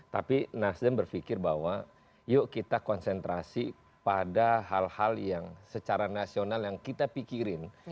tapi nasdem berpikir bahwa yuk kita konsentrasi pada hal hal yang secara nasional yang kita pikirin